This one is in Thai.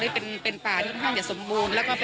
เราอยากจะเชิญทุกภาคส่วนที่เห็นความสำคัญของทรัพยากรป่าไม้